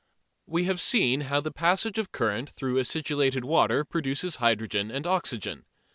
We have seen how the passage of current through acidulated water produces hydrogen and oxygen.